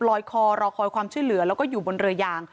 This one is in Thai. ลอยคอรอคอยความช่วยเหลือแล้วก็อยู่บนเรือยาง